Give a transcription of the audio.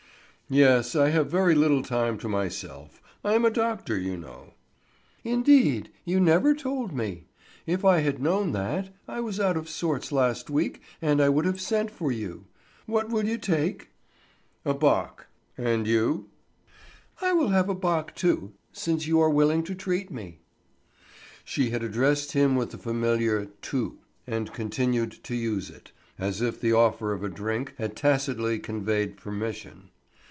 "Yes. I have very little time to myself. I am a doctor, you know." "Indeed! You never told me. If I had known that—I was out of sorts last week and I would have sent for you. What will you take?" "A bock. And you?" "I will have a bock, too, since you are willing to treat me." She had addressed him with the familiar tu, and continued to use it, as if the offer of a drink had tacitly conveyed permission.